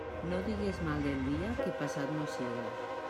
No digues mal del dia, que passat no siga.